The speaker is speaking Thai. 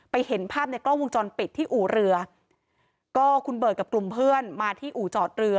เห็นภาพในกล้องวงจรปิดที่อู่เรือก็คุณเบิร์ตกับกลุ่มเพื่อนมาที่อู่จอดเรือ